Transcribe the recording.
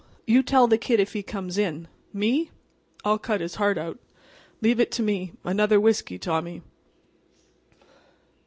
You tell the Kid if he comes in. Me? I'll cut his heart out. Leave it to me. Another whiskey, Tommy."